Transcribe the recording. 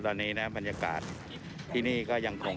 ตอนนี้นะบรรยากาศที่นี่ก็ยังคง